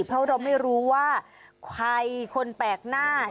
เพราะเราไม่รู้ว่าใครคนแปลกหน้า